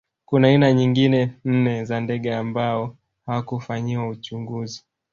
Kuna aina nyingine nne za ndege ambao hawakufanyiwa uchunguzi